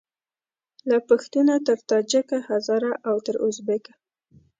له پښتونه تر تاجیکه هزاره او تر اوزبیکه